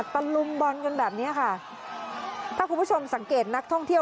ตะลุมบอลกันแบบเนี้ยค่ะถ้าคุณผู้ชมสังเกตนักท่องเที่ยว